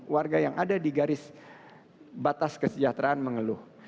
warga yang ada di garis batas kesejahteraan mengeluh